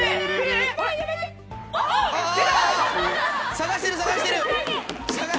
探してる探してる！